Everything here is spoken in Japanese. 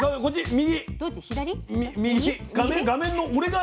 右。